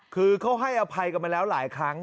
คือเขาให้อภัยกันมาแล้วหลายครั้ง